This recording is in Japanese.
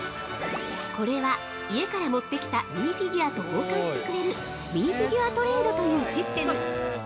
◆これは、家から持ってきたミニフィギュアと交換してくれるミニフィギュア・トレードというシステム。